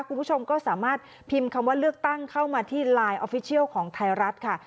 คุณผู้ชมก็สามารถพิมพ์คำว่าเลือกตั้งเข้ามาที่ไลน์ออฟฟิเชียลของไทยรัฐค่ะ